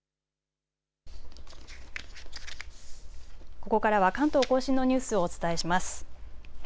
ここからは関東甲信のニュースをお伝えします。